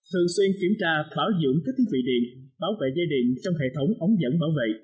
thường xuyên kiểm tra bảo dưỡng các tiến vị điện bảo vệ dây điện trong hệ thống ống dẫn bảo vệ